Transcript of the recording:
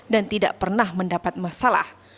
dan tidak pernah mendapat masalah